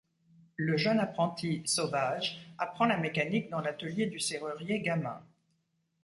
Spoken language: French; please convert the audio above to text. Le jeune apprenti Sauvage apprend la mécanique dans l'atelier du serrurier Gamain.